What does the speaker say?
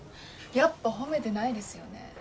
やっぱ褒めてないですよね。